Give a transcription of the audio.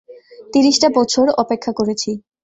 তিরিশটা বছর অপেক্ষা করেছি।